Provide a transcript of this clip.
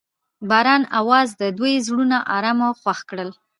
د باران اواز د دوی زړونه ارامه او خوښ کړل.